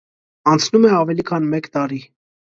Անցնում է ավելի քան մեկ տարի։